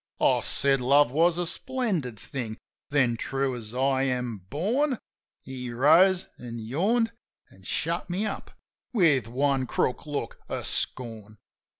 I said love was a splendid thing! ... Then, true as I am born. He rose, an' yawned, an' shut me up with one crook glance of scorn.